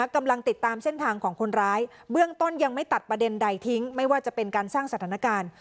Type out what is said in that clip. กำลังติดตามเส้นทางของคนร้ายเบื้องต้นยังไม่ตัดประเด็นใดทิ้งไม่ว่าจะเป็นการสร้างสถานการณ์